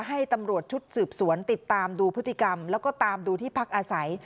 ให้ตำรวจชุดสืบสวนติดตามดูพฤติกรรมแล้วก็ตามดูที่พักอาศัย